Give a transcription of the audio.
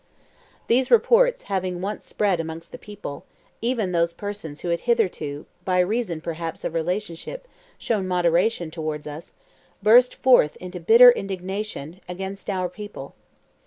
These reports having once spread amongst the people, even those persons who had hitherto, by reason, perhaps, of relationship, shown moderation towards us, burst forth into bitter indignation against our people.